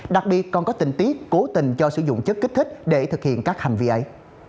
đặc biệt còn có tình tiết cố tình cho sử dụng chất kích thích để thực hiện các hành vi ấy